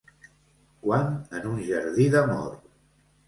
Quan en un jardí d’amor